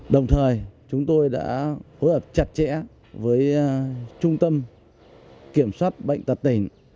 đồng thời chúng tôi đã phối hợp chặt chẽ với trung tâm kiểm soát bệnh tật tỉnh